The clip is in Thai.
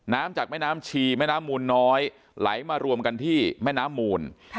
จากแม่น้ำชีแม่น้ำมูลน้อยไหลมารวมกันที่แม่น้ำมูล